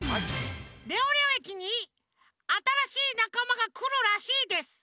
レオレオ駅にあたらしいなかまがくるらしいです。